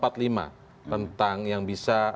tentang yang bisa